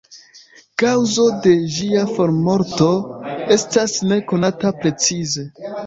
Kaŭzo de ĝia formorto estas ne konata precize.